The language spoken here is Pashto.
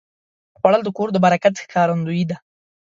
خوړل د کور د برکت ښکارندویي ده